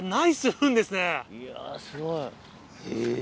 いやすごい。え？